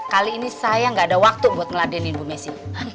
kali ini saya gak ada waktu buat ngeladenin bu messi